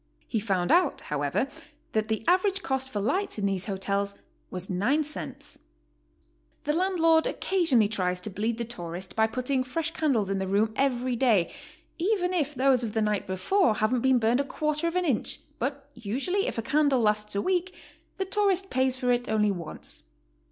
He found out, how ever, that the average cost for lights in these hotels was $0.09. The landlord occassionally tries to bleed the tourist by putting fresh candles in the room every day, even if those of the night before haven't been burned a quarter of an inch, but usually if a candle lasts a week, the tourist pays for it only once.